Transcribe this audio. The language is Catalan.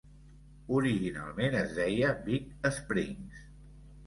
Originalment es deia Big Springs.